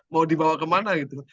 mau dibawa kemana gitu